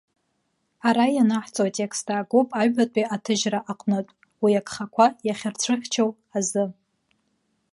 Ара ианаҳҵо атекст аагоуп аҩбатәи аҭыжьра аҟнытә, уи агхақәа иахьырцәыхьчоу азы.